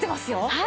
はい。